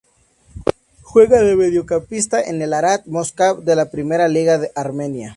Juega de Mediocampista en el Ararat-Moskva de la Primera Liga de Armenia.